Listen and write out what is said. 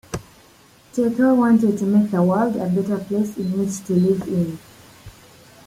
Tierkel wanted to make the world a better place in which to live.